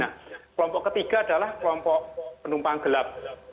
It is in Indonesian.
nah kelompok ketiga adalah kelompok penumpang gelap